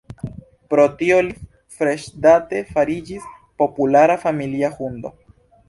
Pro tio, li freŝdate fariĝis populara familia hundo.